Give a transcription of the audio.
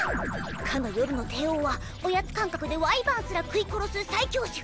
かの夜の帝王はおやつ感覚でワイバーンすら食い殺す最強種。